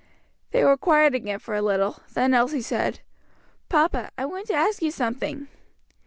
They were quiet again for a little; then Elsie said, "Papa, I want to ask you something."